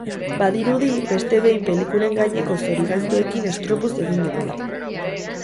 Badirudi beste behin pelikulen gaineko zorigaiztoekin estropuz egin dugula.